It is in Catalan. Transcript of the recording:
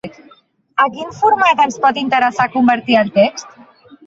A quin format ens pot interessar convertir el text?